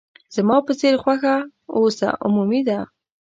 زما په څېر خوښه اوس عمومي ده.